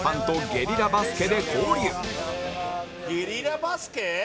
ゲリラバスケ？